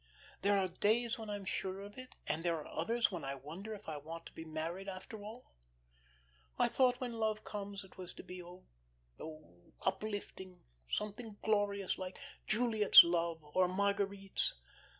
There are days when I'm sure of it, and there are others when I wonder if I want to be married, after all. I thought when love came it was to be oh, uplifting, something glorious like Juliet's love or Marguerite's.